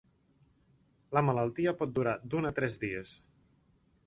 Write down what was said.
La malaltia pot durar d'un a tres dies.